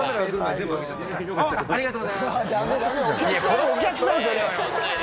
ありがとうございます。